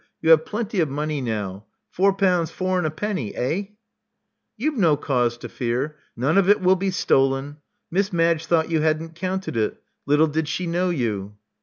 You have plenty of money now. Pour pounds four and a penny, eh?" You've no call to fear: none of it will be stolen. Miss Madge thought you hadn't counted it Little did she know you."